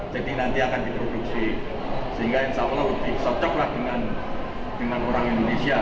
jadi nanti akan diproduksi sehingga insya allah lebih cocok dengan orang indonesia